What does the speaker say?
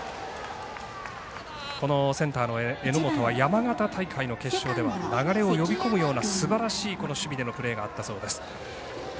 センターの榎本は山形大会の決勝では流れを呼び込むようなすばらしい守備でのプレーがあったそうです。